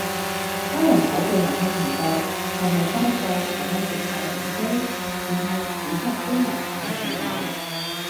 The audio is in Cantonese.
多人睇嘅遊戲頻道係咪多數係開直播打機，然後剪輯精華擺上網